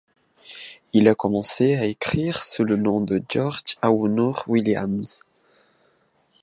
Il a commencé à écrire sous le nom de George Awoonor-Williams.